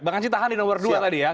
bang anci tahan di nomor dua tadi ya